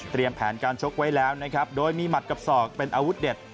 แผนการชกไว้แล้วนะครับโดยมีหมัดกับศอกเป็นอาวุธเด็ด